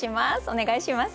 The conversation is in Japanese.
お願いします。